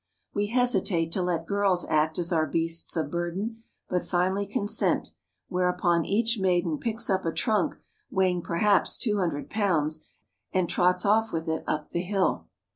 We hesitate to let girls act as our beasts of burden, but finally consent, whereupon each maiden picks up a trunk weighing perhaps two hundred pounds and trots off with it up the hill.